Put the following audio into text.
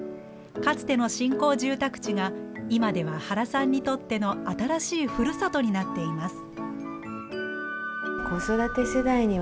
かつての新興住宅地が今では、原さんにとっての新しいふるさとになっています。